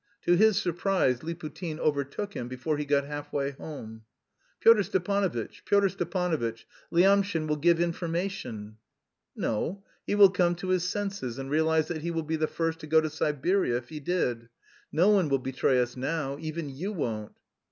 To his surprise Liputin overtook him before he got half way home. "Pyotr Stepanovitch! Pyotr Stepanovitch! Lyamshin will give information!" "No, he will come to his senses and realise that he will be the first to go to Siberia if he did. No one will betray us now. Even you won't."